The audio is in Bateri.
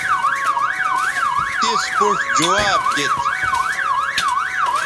تس پوڇ جواب دیت